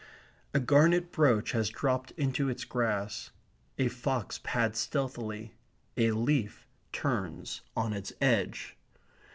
A garnet brooch has dropped into its grass. A fox pads stealthily. A leaf turns on its edge.